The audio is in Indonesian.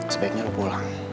sebaiknya lo pulang